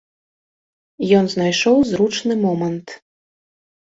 Ён знайшоў зручны момант.